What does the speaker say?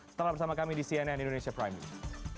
setelah bersama kami di cnn indonesia prime news